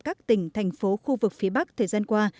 các tỉnh thành phố khu vực phía bắc thời gian qua